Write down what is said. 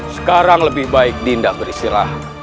sekarang lebih baik dinda beristirahat